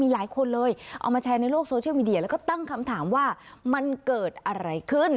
หลายคนเลยเอามาแชร์ในโลกโซเชียลมีเดียแล้วก็ตั้งคำถามว่ามันเกิดอะไรขึ้น